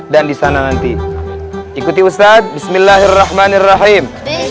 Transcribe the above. dan disana nanti ikuti ustadz bismillahirrahmanirrahim